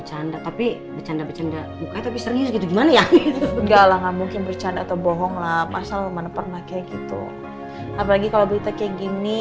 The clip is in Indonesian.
apalagi kalau berita kayak gini